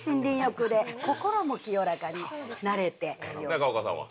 中岡さんは？